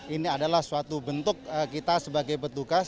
ini adalah suatu bentuk kita sebagai petugas